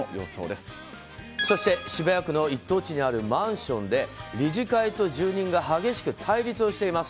そして渋谷区の一等地にあるマンションで理事会と住人が激しく対立をしています。